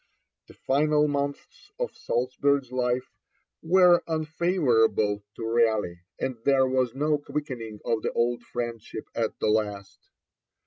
The final months of Salisbury's life were unfavourable to Raleigh, and there was no quickening of the old friendship at the last.